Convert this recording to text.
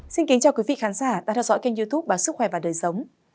xin kính chào quý vị khán giả đang theo dõi kênh youtube báo sức khỏe và đời sống